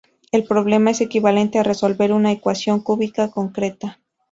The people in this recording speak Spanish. El problema es equivalente a resolver una ecuación cúbica concreta.